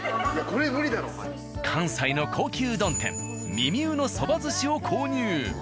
関西の高級うどん店「美々卯」のそば寿司を購入。